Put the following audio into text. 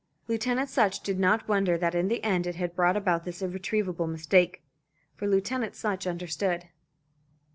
Lieutenant Sutch did not wonder that in the end it had brought about this irretrievable mistake; for Lieutenant Sutch understood.